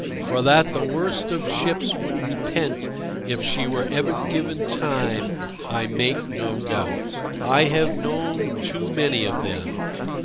For that the worst of ships would repent if she were ever given time I make no doubt. I have known too many of them.